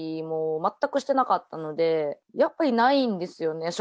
もう全くしてなかったので、やっぱりないんですよね